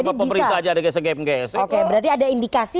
oh jadi pemerintah aja ada gesek gesek oke berarti ada indikasi